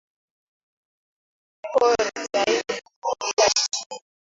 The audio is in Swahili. nguruwe pori zaidi na mara chache sana